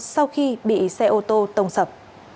sau khi bị xe ô tô tông sập